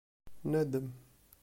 Nadem.